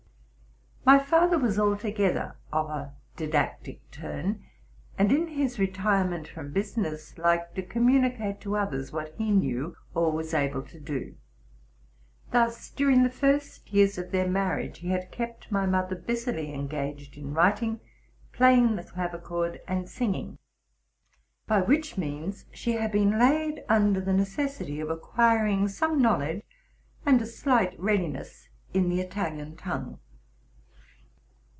My father was altogether of a didactic turn, and in his re tirement from business liked to communicate to others what he knew or was able to do. Thus, during the first years of their marriage, he had kept my mother busily engaged in writing, playing the clavichord, and singing, by which means she had been laid under the necessity of acquiring some knowl edge and a slight readiness in the Italian tongue.